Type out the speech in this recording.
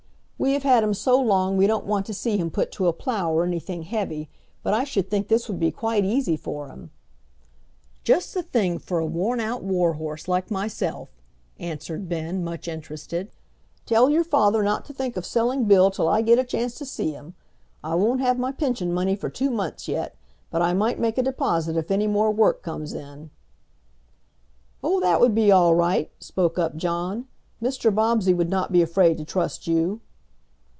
"We have had him so long we don't want to see him put to a plow or anything heavy, but I should think this would be quite easy for him." "Just the thing for a worn out war horse like myself," answered Ben, much interested. "Tell your father not to think of selling Bill till I get a chance to see him. I won't have my pension money for two months yet, but I might make a deposit if any more work comes in." "Oh, that would be all right," spoke up John. "Mr. Bobbsey would not be afraid to trust you."